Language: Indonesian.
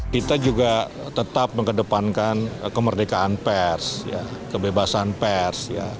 kita juga tetap mengedepankan kemerdekaan pers kebebasan pers